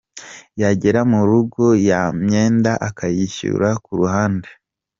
Yagera mu rugo ya myenda akayishyira kuruhande.